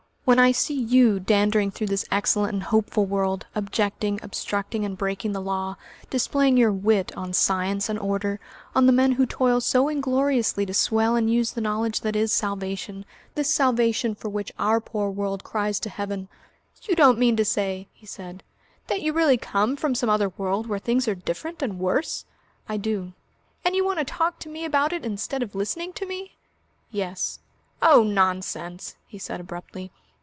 When I see you dandering through this excellent and hopeful world, objecting, obstructing, and breaking the law, displaying your wit on science and order, on the men who toil so ingloriously to swell and use the knowledge that is salvation, this salvation for which our poor world cries to heaven " "You don't mean to say," he said, "that you really come from some other world where things are different and worse?" "I do." "And you want to talk to me about it instead of listening to me?" "Yes." "Oh, nonsense!" he said abruptly.